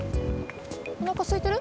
おなかすいてる？